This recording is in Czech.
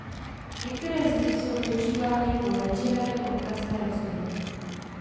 Některé z nich jsou používány jako léčivé nebo okrasné rostliny.